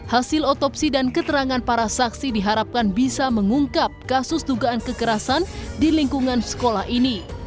hasil otopsi dan keterangan para saksi diharapkan bisa mengungkap kasus dugaan kekerasan di lingkungan sekolah ini